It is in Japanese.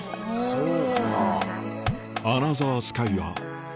そうか。